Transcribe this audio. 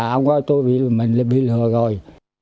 ông ơi tôi bị lừa rồi